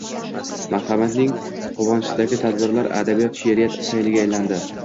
Marhamatning Qovunchisidagi tadbirlar adabiyot, she’riyat sayliga aylandi